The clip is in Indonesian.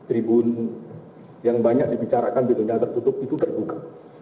dan tribun yang banyak dibicarakan tidak tertutup itu terbuka